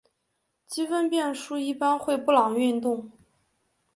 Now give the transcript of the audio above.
积分变数一般会布朗运动。